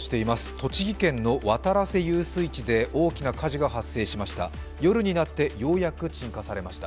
栃木県の渡良瀬遊水地で大きな火事が発生しました。